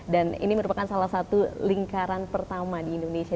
dan ini merupakan salah satu lingkaran pertama di indonesia